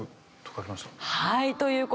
はい。